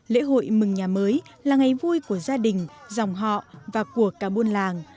lễ hội mừng nhà mới là ngày vui của gia đình dòng họ và của cả buôn làng